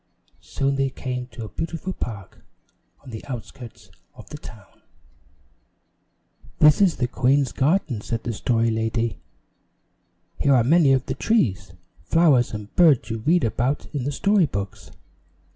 Soon they came to a beautiful park on the outskirts of the town. "This is the Queen's Garden," said the Story Lady. "Here are many of the trees, flowers and birds you read about in the story books."